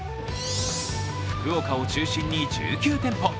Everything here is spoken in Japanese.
福岡を中心に１９店舗。